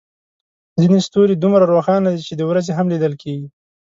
ځینې ستوري دومره روښانه دي چې د ورځې هم لیدل کېږي.